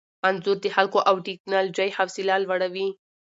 انځور د خلکو او ټیکنالوژۍ حوصله لوړوي.